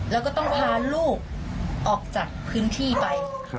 แล้วก็ต้องพาลูกออกจากพื้นที่ไป